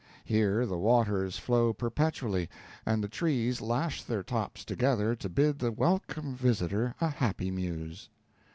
Here the waters flow perpetually, and the trees lash their tops together to bid the welcome visitor a happy muse.